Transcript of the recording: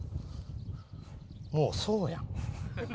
もうそうやん。